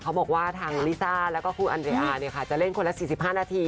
เขาบอกว่าทางลิซ่าแล้วก็ครูอันเรอาจะเล่นคนละ๔๕นาที